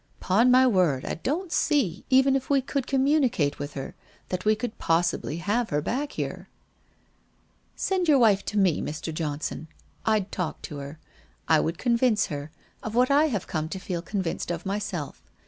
'Pon my word, I don't see, even if we could communicate with her, that we could possibly have her back here/ ' Send your wife to me, Mr. Johnson. Fd talk to her. I would convince her — of what I have come to feel con vinced of myself.